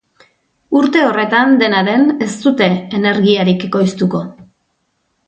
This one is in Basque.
Urte horretan, dena den, ez dute energiarik ekoiztuko.